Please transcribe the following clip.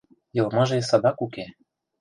Йылмыже садак уке...